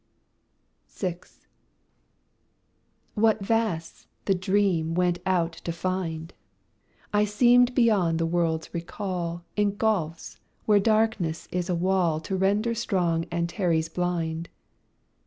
VI What vasts the dream went out to find! I seemed beyond the world's recall In gulfs where darkness is a wall To render strong Antares blind!